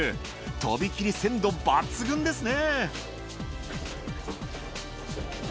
とびきり鮮度抜群ですね。